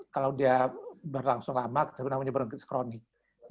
kalau dia berlangsung lama kita sebut namanya bronkitis kronik